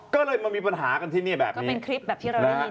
ก็เลยมีปัญหากันที่นี่แบบนี้